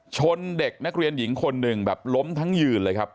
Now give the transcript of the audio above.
ชนเด็กนักเรียนหญิงคนหนึ่งแบบล้มทั้งยืนเลยครับ